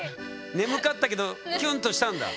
眠かったけどキュンとしたんだ？